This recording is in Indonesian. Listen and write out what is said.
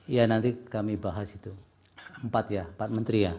ya nanti kami bahas itu empat ya empat menteri ya